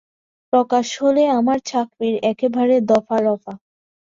প্রকাশ হলে আমার চাকরির একেবারে দফা-রফা।